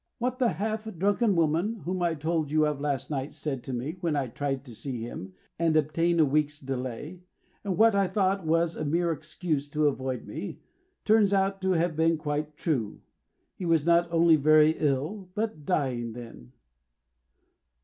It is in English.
"What the half drunken woman, whom I told you of last night, said to me, when I tried to see him and obtain a week's delay: and what I thought was a mere excuse to avoid me, turns out to have been quite true. He was not only very ill, but dying, then."